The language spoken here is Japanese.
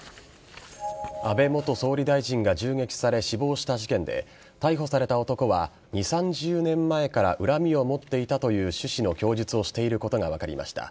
安倍元総理大臣が銃撃され死亡した事件で逮捕された男は２０３０年前から恨みを持っていたという趣旨の供述をしていることが分かりました。